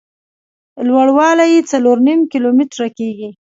لوړ والی یې څلور نیم کیلومتره کېږي.